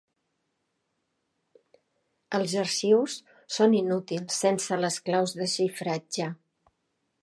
Els arxius són inútils sense les claus de xifratge.